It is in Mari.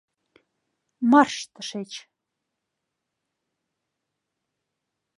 Марш тышеч!